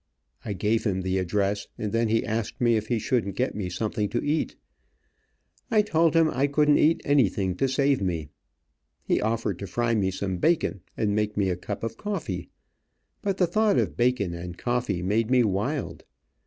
I gave him the address, and then he asked me if he shouldn't get me something to eat. I told him I couldn't eat anything to save me. He offered to fry me some bacon, and make me a cup of coffee, but the thought of bacon and coffee made me wild.